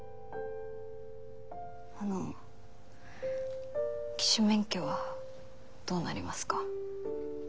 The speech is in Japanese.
あの騎手免許はどうなりますか？